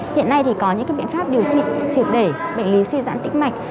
hiện nay thì có những biện pháp điều trị triệt để bệnh lý suy giãn tích mạch